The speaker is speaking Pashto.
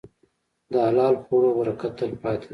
د حلال خوړو برکت تل پاتې دی.